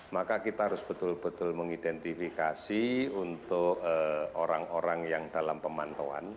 maka kita harus betul betul mengidentifikasi untuk orang orang yang dalam pemantauan